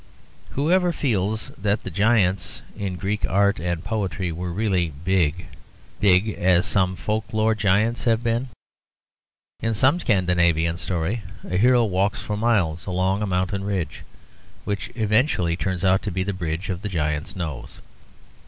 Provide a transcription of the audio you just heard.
Who ever feels that the giants in Greek art and poetry were really big big as some folk lore giants have been? In some Scandinavian story a hero walks for miles along a mountain ridge, which eventually turns out to be the bridge of the giant's nose.